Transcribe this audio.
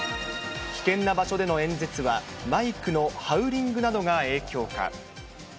危険な場所での演説は、マイクのハウリングなどが影響か。